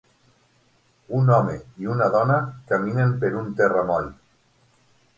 Un home i una dona caminen per un terra moll